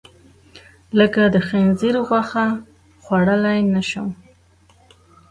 لکه د خنځیر غوښه، خوړلی نه شم.